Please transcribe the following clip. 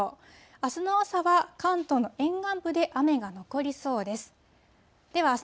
あすの朝は関東の沿岸部で雨が残りそうです。